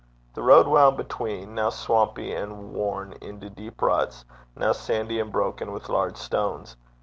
The road wound between, now swampy and worn into deep ruts, now sandy and broken with large stones.